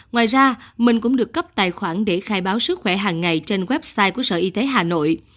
ngoài ra mình cũng được cấp tài khoản để khai báo sức khỏe hàng ngày trên website của sở y tế hà nội